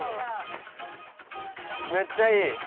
めっちゃいい。